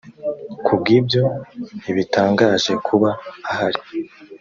ku bw ibyo ntibitangaje kuba ahari